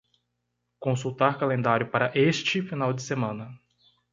Consultar calendário para esta final de semana.